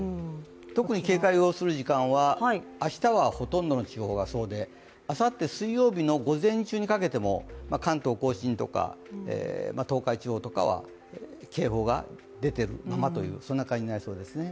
特に警戒をする時間は明日は、ほとんどの地方がそうであさって水曜日の午前中にかけても関東甲信とか東海地方とかは警報が出ているままという感じになりそうですね。